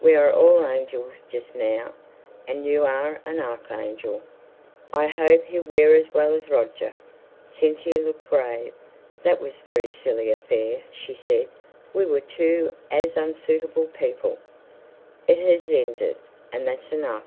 We're all angels just now, and you're an arch angel. I hope he'll wear as well as Roger." Cynthia looked grave. "That was a very silly affair," she said. "We were two as unsuitable people " "It has ended, and that's enough.